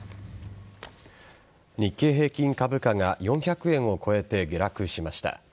日経平均株価が４００円を超えて下落しました。